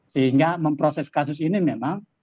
sehingga memproses kasus ini memang